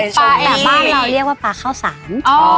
แต่บ้านเราเรียกว่าปลาข้าวสาร